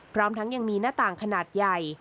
พร้อมทั้งยังมีหน้าต่างขนาดใหญ่